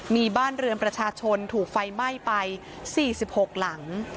มีบ้านเรือนประชาชนถูกไฟไหม้ไป๔๖หลัง